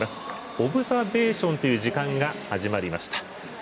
オブザベーションという時間が始まりました。